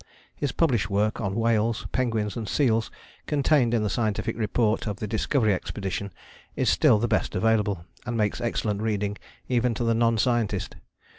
His published work on whales, penguins and seals contained in the Scientific Report of the Discovery Expedition is still the best available, and makes excellent reading even to the non scientist.